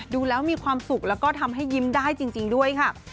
ดูแล้วมีความสุขแล้วก็ทำให้ยิ้มได้จริงด้วยค่ะ